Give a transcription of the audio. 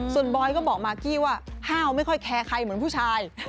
ส่วนบอยก็บอกมากกี้ว่าห้าวไม่ค่อยแคร์ใครเหมือนผู้ชาย